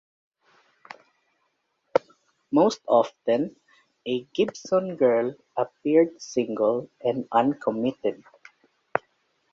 Most often, a Gibson Girl appeared single and uncommitted.